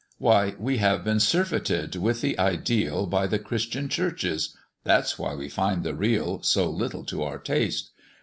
Why, we have been surfeited with the ideal by the Christian Churches; that's why we find the real so little to our taste.